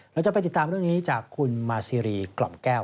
เราจะไปติดตามเรื่องนี้จากคุณมาซีรีกล่อมแก้ว